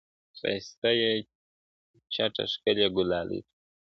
ښایسته یې چټه ښکلې ګلالۍ کړه!